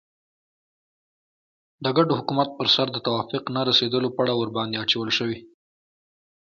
د ګډ حکومت پر سر د توافق نه رسېدلو پړه ورباندې اچول شوې.